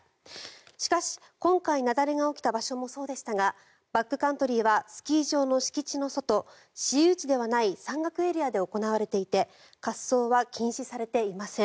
しかし、今回雪崩が起きた場所もそうでしたがバックカントリーはスキー場の敷地の外私有地ではない山岳エリアで行われていて滑走は禁止されていません。